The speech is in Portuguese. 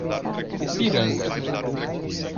Piranga